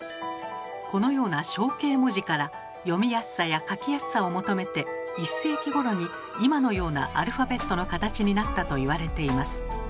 このような象形文字から読みやすさや書きやすさを求めて１世紀ごろに今のようなアルファベットの形になったと言われています。